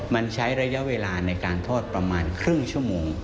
มันใช้ระยะเวลาในการทอดประมาณครึ่งชั่วโมง